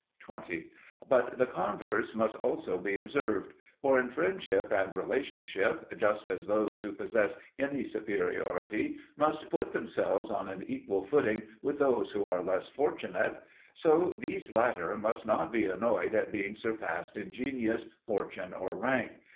20. But the converse must also be observed. For in friendship and relationship, just as those who possess any superiority must put themselves on an equal footing with those who are less fortunate, so these latter must not be annoyed at being surpassed in genius, fortune, or rank.